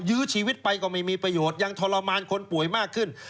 ยื้อชีวิตไปก็ไม่มีประโยชน์ยังทรมานคนป่วยมากขึ้น